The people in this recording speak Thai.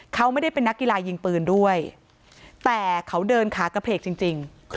เขาไม่ได้เป็นนักกีฬายิงปืนด้วยแต่เขาเดินขากระเพกจริง